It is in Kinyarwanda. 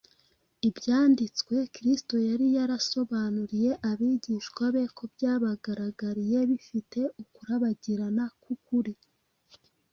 ibyanditswe Kristo yari yarasobanuriye abigishwa be byabagaragariye bifite ukurabagirana k’ukuri